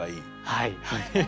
はい。